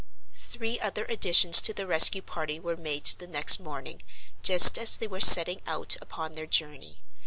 Three other additions to the rescue party were made the next morning, just as they were setting out upon their journey.